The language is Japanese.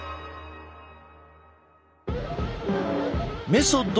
メソッド